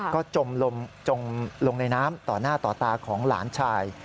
ก็จมลงในน้ำต่อหน้าต่อตาของหลานชาย